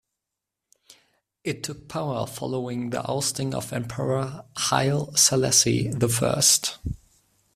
It took power following the ousting of Emperor Haile Selassie the First.